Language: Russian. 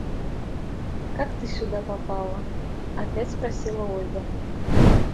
Как ты сюда попала? – опять спросила Ольга.